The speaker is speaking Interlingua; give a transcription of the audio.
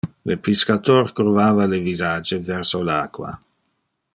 Le piscator curvava le visage verso le aqua.